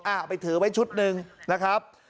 อ้าวเอาไปถือไว้ชุดหนึ่งนะครับ